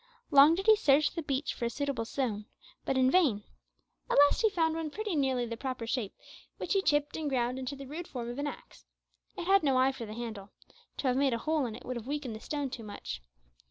Long did he search the beach for a suitable stone, but in vain. At last he found one pretty nearly the proper shape, which he chipped and ground into the rude form of an axe. It had no eye for the handle. To have made a hole in it would have weakened the stone too much.